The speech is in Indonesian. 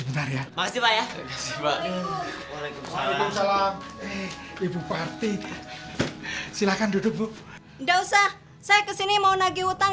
sebentar ya makasih pak ya ibu party silakan duduk bu enggak usah saya kesini mau nagih utang